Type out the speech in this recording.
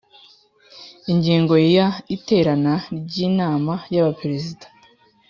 Ingingo ya iterana ry inama y abaperezida